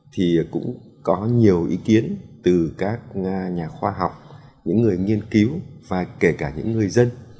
thì cũng có nhiều ý kiến từ các nhà khoa học những người nghiên cứu và kể cả những người dân